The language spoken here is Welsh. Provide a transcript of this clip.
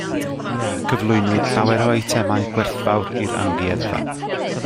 Cyflwynwyd llawer o eitemau gwerthfawr i'r amgueddfa.